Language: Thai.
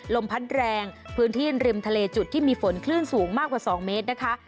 ลมพัดแรงพื้นที่ริมทะเลจุดที่มีฝนคลื่นสูงมากกว่า๒เมตรนะคะ